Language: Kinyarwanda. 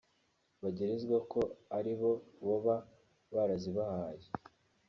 bagirizwa ko aribo boba barazibahaye